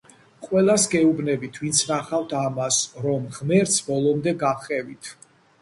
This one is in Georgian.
ყველას გეუბნებით ვინც ნახავთ ამას, რომ ღმერთს ბოლომდე გაჰყევით.